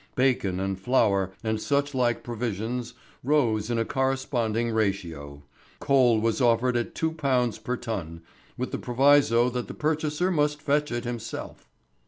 Bacon and flour, and such like provisions, rose in a corresponding ratio; coal was offered at £2 per ton, with the proviso that the purchaser must fetch it himself.